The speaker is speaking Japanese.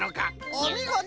おみごと！